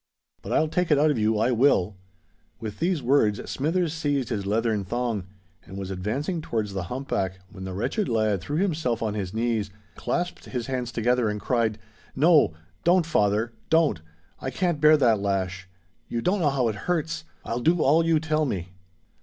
But I'll take it out of you, I will." With these words, Smithers seized his leathern thong, and was advancing towards the hump back, when the wretched lad threw himself on his knees, clasped his hands together, and cried, "No,—don't, father—don't! I can't bear that lash! You don't know how it hurts.—I'll do all you tell me."